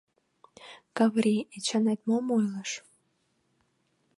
— Каврий, Эчанет мом ойлыш?